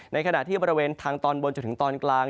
ในขณะที่บริเวณทางตอนบนจนถึงตอนกลาง